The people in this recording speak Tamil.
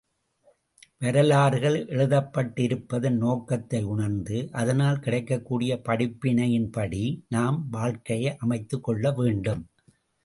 வரலாறுகள் எழுதப்பட்டிருப்பதன் நோக்கத்தை உணர்ந்து, அதனால் கிடைக்கக்கூடிய படிப்பினையின்படி நம் வாழ்க்கையை அமைத்துக் கொள்ள வேண்டும்.